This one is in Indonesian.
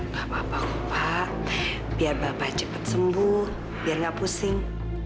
gak apa apa kok pak biar bapak cepat sembuh biar gak pusing